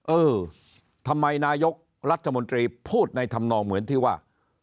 เออทำไมนายกรัฐมนตรีพูดในธรรมนองเหมือนที่ว่า